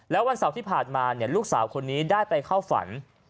แล้ววันเสาร์ที่ผ่านมาลูกสาวคนนี้ได้ไปเข้าฝัน